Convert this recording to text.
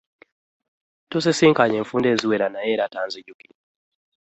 Tusisinkanye enfunda eziwera naye era tanzijukira.